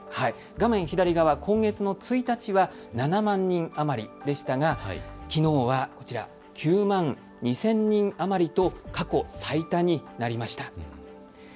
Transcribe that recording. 画面左側、今月の１日は７万人余りでしたがきのうはこちら９万２０００人余りと過去最多になりました。